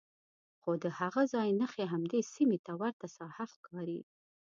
خو د هغه ځای نښې همدې سیمې ته ورته ساحه ښکاري.